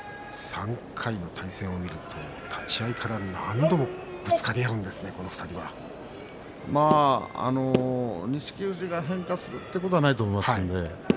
３回の対戦を見ると立ち合いから何度も錦富士が変化をするということはないと思います。